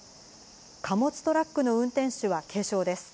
貨物トラックの運転手は軽傷です。